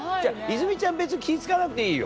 泉ちゃん別に気使わなくていいよ。